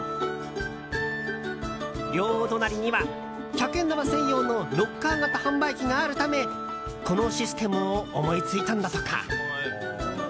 両隣には、百円玉専用のロッカー型販売機があるためこのシステムを思いついたのだとか。